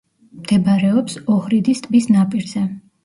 მდებარეობს ოჰრიდის ტბის ნაპირზე.